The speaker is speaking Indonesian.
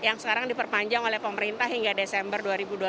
yang sekarang diperpanjang oleh pemerintah hingga desember dua ribu dua puluh